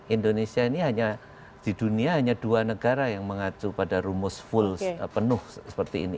indonesia ini hanya di dunia hanya dua negara yang mengacu pada rumus full penuh seperti ini